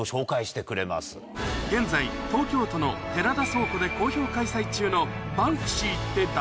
現在東京都の寺田倉庫で好評開催中の「バンクシーって誰？